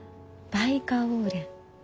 バイカオウレン。